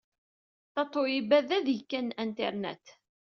Tatoeba d adeg kan n Internet.